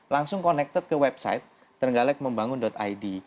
langsung connected ke website ternggalekmembangun id